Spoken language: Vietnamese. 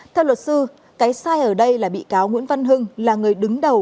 theo luật sư cái sai ở đây là bị cáo nguyễn văn hưng là người đứng đầu